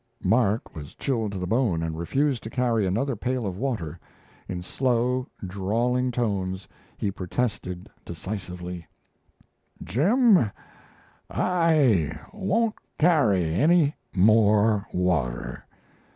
Mark was chilled to the bone, and refused to carry another pail of water. In slow, drawling tones he protested decisively: "Jim, I won't carry any more water.